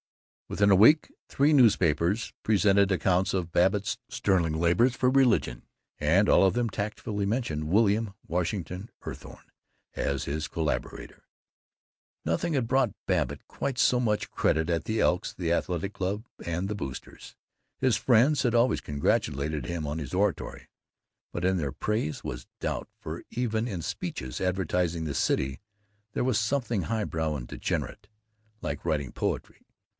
Within a week three newspapers presented accounts of Babbitt's sterling labors for religion, and all of them tactfully mentioned William Washington Eathorne as his collaborator. Nothing had brought Babbitt quite so much credit at the Elks, the Athletic Club, and the Boosters'. His friends had always congratulated him on his oratory, but in their praise was doubt, for even in speeches advertising the city there was something highbrow and degenerate, like writing poetry.